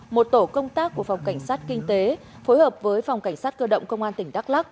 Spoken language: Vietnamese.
một tổ công tác của phòng cảnh sát kinh tế phối hợp với phòng cảnh sát cơ động công an tỉnh đắk lắc